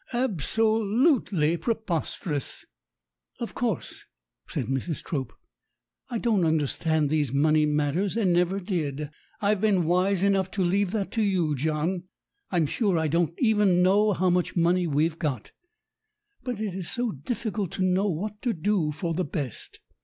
Ab so lutely preposterous!" "Of course," said Mrs. Trope, "I don't understand these money matters, and never did. I've been wise enough to leave that to you, John. I'm sure I don't even know how much money we've got. But it is so difficult to know what to do for the best.